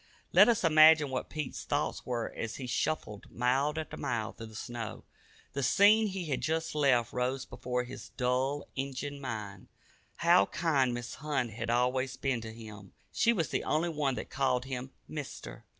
Let us imagine what Pete's thoughts were as he shuffled mile after mile through the snow. The scene he had just left rose before his dulled "Injun" mind. How kind Mrs. Hunt had always been to him! She was the only one that called him "Mister."